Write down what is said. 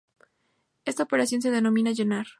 Esta operación se denomina "llenar".